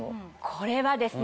これはですね